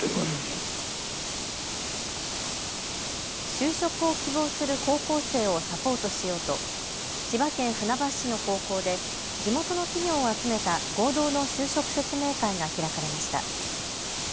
就職を希望する高校生をサポートしようと千葉県船橋市の高校で地元の企業を集めた合同の就職説明会が開かれました。